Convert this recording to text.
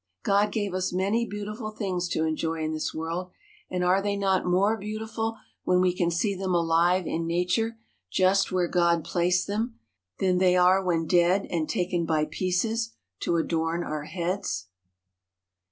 God gave us many beautiful things to enjoy in this world, and are they not more beautiful when we can see them alive in nature just where God placed them, than they are when dead and taken by pieces to adorn our heads?